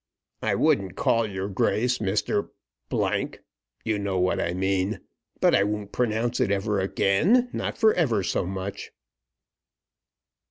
I wouldn't call your Grace Mr. ; you know what I mean, but I won't pronounce it ever again; not for ever so much."